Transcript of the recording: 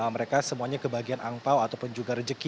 mereka semuanya kebagian angpao ataupun juga rejeki